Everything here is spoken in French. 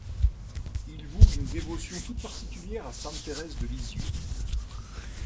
Il voue une dévotion toute particulière à sainte Thérèse de Lisieux.